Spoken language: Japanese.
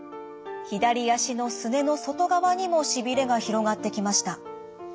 左足のすねの外側にもしびれが広がってきました。